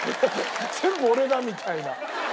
全部俺だみたいな。